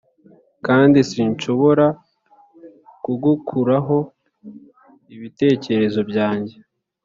kandi sinshobora kugukuraho ibitekerezo byanjye